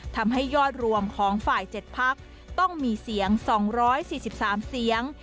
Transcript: ทำให้ยอดรวมของฝ่าย๗พักต้องมีเสียง๒๔๓เสียง